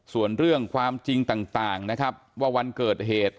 ส่วนเรื่องความจริงต่างนะครับว่าวันเกิดเหตุ